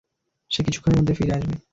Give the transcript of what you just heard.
সে কিছুক্ষণের মধ্যে ফিরে আসবে।